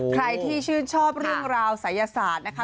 ใครที่ชื่นชอบเรื่องราวศัยศาสตร์นะคะ